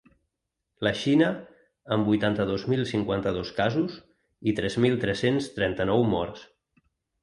La Xina, amb vuitanta-dos mil cinquanta-dos casos i tres mil tres-cents trenta-nou morts.